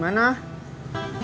oke aku mau ke sana